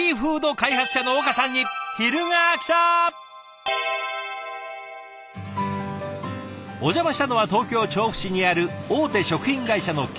お邪魔したのは東京・調布市にある大手食品会社の研究所。